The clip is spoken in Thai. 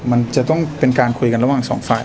มันจะต้องเป็นการคุยกันระหว่างสองฝ่าย